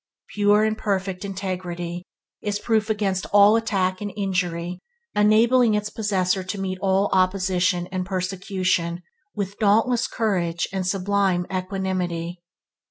Pure and perfect integrity is proof against all attack and injury, enabling its possessor to meet all opposition and persecution with dauntless courage and sublime equanimity.